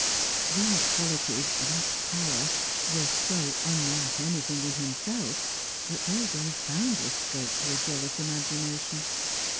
These qualities, that power, were so unlike anything in himself, that they gave boundless scope to a jealous imagination.